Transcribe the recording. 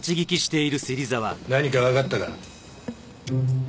何かわかったか？